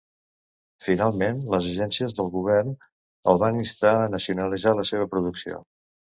Finalment, les agències del govern el van instar a nacionalitzar la seva producció.